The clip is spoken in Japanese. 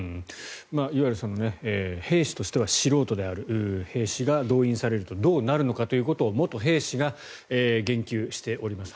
いわゆる兵士としては素人である兵士が動員されるとどうなるのかということを元兵士が言及しております。